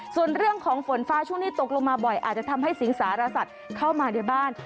ส่วนเรื่องของฝนฟ้าช่วงนี้ตกลงมาบ่อยอาจจะทำให้สิงสารสัตว์เข้ามาในบ้าน